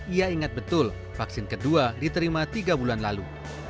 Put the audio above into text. ia ingat betul vaksin kedua diterima tiga bulan lalu